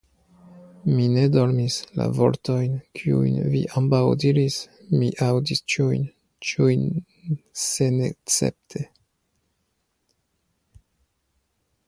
Mi ne dormis; la vortojn, kiujn vi ambaŭ diris, mi aŭdis ĉiujn, ĉiujn senescepte.